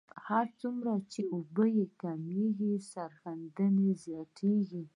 هر څومره چې اوبه کمیږي سریښېدنه زیاتیږي